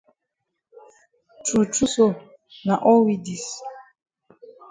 True true so na all we dis.